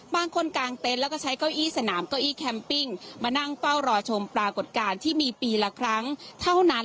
บางคนกางเต็นแล้วก็ใช้เก้าอี้สนามเก้าอี้มานั่งเฝ้ารอชมปลากฏการณ์ที่มีปีหลังครั้งเท่านั้น